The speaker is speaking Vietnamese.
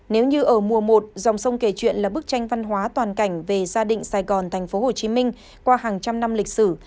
nếu như ở mùa một dòng sông kể chuyện là bức tranh văn hóa toàn cảnh về gia định sài gòn tp hcm qua hàng trăm năm lịch sử